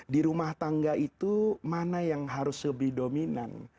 di rumah tangga itu mana yang harus lebih dominan